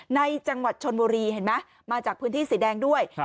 ในจังหวัดชนบุรีเห็นไหมมาจากพื้นที่สีแดงด้วย